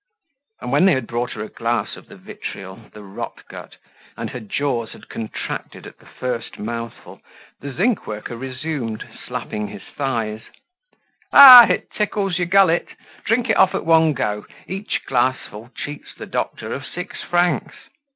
And when they had brought her a glass of the vitriol, the rotgut, and her jaws had contracted at the first mouthful, the zinc worker resumed, slapping his thighs: "Ha! It tickles your gullet! Drink it off at one go. Each glassful cheats the doctor of six francs."